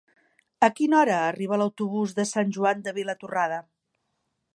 A quina hora arriba l'autobús de Sant Joan de Vilatorrada?